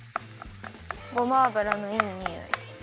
ごま油のいいにおい。